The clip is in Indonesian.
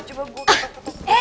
coba gue tepuk tepuk